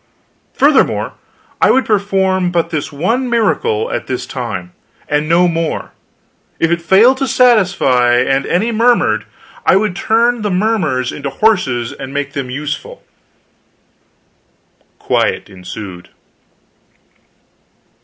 Furthermore, I would perform but this one miracle at this time, and no more; if it failed to satisfy and any murmured, I would turn the murmurers into horses, and make them useful. Quiet ensued.